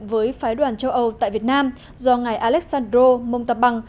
với phái đoàn châu âu tại việt nam do ngài alexandro montaban